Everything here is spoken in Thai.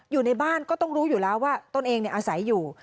อยู่ในบ้านก็ต้องรู้อยู่แล้วว่าตนเองอาศัยอยู่